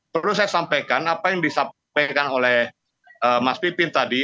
perlu saya sampaikan apa yang disampaikan oleh mas pipin tadi